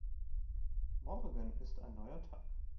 Morgen ist ein neuer Tag.